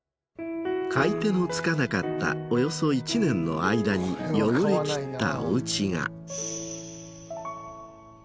買い手のつかなかったおよそ１年の間に汚れきったおうちが。